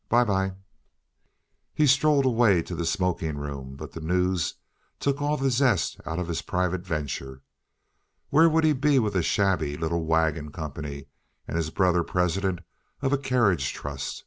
"By by." He strolled away to the smoking room, but the news took all the zest out of his private venture. Where would he be with a shabby little wagon company and his brother president of a carriage trust?